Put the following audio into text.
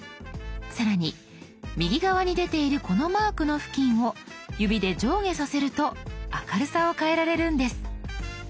更に右側に出ているこのマークの付近を指で上下させると明るさを変えられるんです。